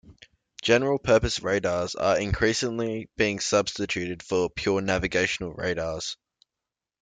General purpose radars are increasingly being substituted for pure navigational radars.